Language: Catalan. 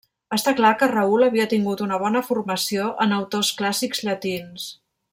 Està clar que Raül havia tingut una bona formació en autors clàssics llatins.